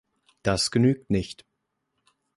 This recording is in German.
Das genügt nicht.